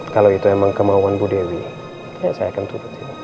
kalau itu emang kemauan bu dewi ya saya akan turut